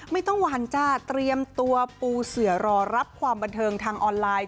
ไม่ต้องวันจ้าเตรียมตัวปูเสือรอรับความบันเทิงทางออนไลน์